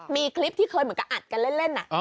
มีคลิปที่เคยเหมือนกับอัดกันเล่น